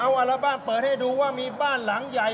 เอาอัลบั้มเปิดให้ดูว่ามีบ้านหลังใหญ่